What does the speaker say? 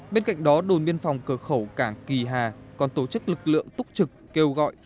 bên cạnh đó đồn biên phòng cửa khẩu cảng kỳ hà còn tổ chức lực lượng túc trực kêu gọi